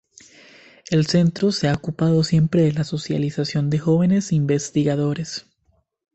El Centro se ha ocupado siempre de la socialización de jóvenes investigadores.